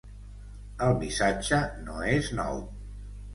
El missatge no és nou.